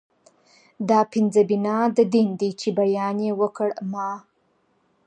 دا پنځه بنا د دين دي چې بیان يې وکړ ما